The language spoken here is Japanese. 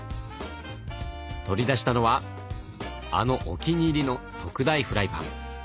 取り出したのはあのお気に入りの特大フライパン。